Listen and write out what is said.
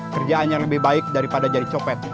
kerjaan yang lebih baik daripada jadi copet